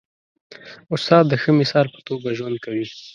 استاد د ښه مثال په توګه ژوند کوي.